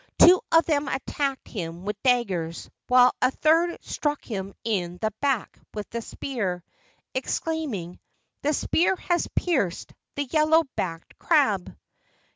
Two of them attacked him with daggers, while a third struck him in the back with a spear, exclaiming, "The spear has pierced the yellow backed crab!"